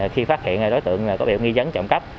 khi phát hiện đối tượng có biểu nghi dấn trộm cắp